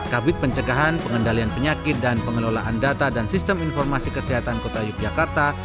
kabit pencegahan pengendalian penyakit dan pengelolaan data dan sistem informasi kesehatan kota yogyakarta